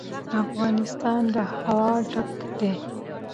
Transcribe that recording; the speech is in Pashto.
افغانستان له هوا ډک دی.